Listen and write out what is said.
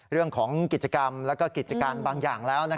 เรื่องของกิจกรรมและกิจการบางอย่างแล้ว